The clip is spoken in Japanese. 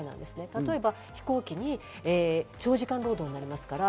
例えば飛行機に長時間労働になりますから。